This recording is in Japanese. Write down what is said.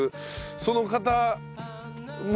その方向